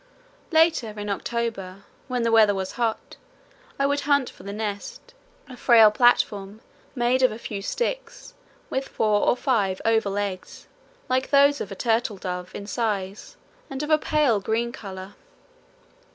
Later, in October when the weather was hot, I would hunt for the nest, a frail platform made of a few sticks with four or five oval eggs like those of the turtledove in size and of a pale green colour.